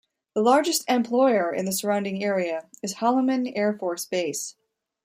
The largest employer in the surrounding area is Holloman Air Force Base.